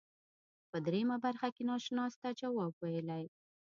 په دریمه برخه کې ناشناس ته جواب ویلی.